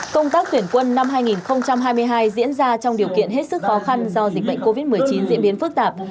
công tác tuyển quân năm hai nghìn hai mươi hai diễn ra trong điều kiện hết sức khó khăn do dịch bệnh covid một mươi chín diễn biến phức tạp